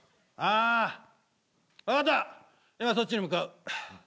今そっちに向かう。